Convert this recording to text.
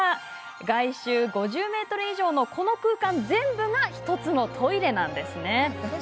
外周５０ｍ以上のこの空間全部が１つのトイレなんです。